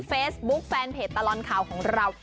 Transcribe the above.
เฟซบุ๊คแฟนเพจตลอดข่าวของเรา